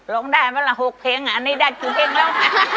ร้องได้ไหมล่ะ๖เพลงอันนี้ได้กินเองแล้ว